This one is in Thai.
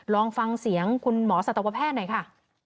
ลองฟังเสียงคุณหมอสัตวแพทย์หน่อยค่ะ